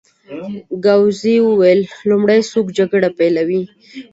ګاووزي وویل: لومړی څوک جګړه پېلوي؟